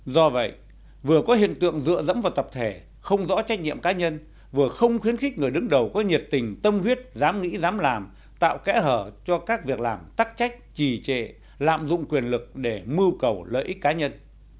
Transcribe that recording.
do vậy vừa có hiện tượng dựa dẫm vào tập thể không rõ trách nhiệm cá nhân vừa không khuyến khích người đứng đầu có nhiệt tình tâm huyết dám nghĩ dám làm tạo kẽ hở cho các việc làm tắc trách trì trệ lạm dụng quyền lực để mưu cầu lợi ích cá nhân